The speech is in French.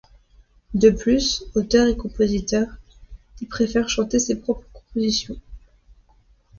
De plus, auteur et compositeur, il préfère chanter ses propres compositions.